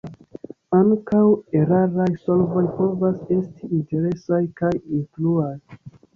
Ankaŭ eraraj solvoj povas esti interesaj kaj instruaj.